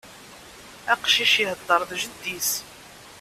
Aqcic ihedder d jeddi-s.